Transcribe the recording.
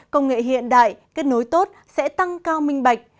công nghệ hiện đại kết nối tốt sẽ tăng cao minh bạch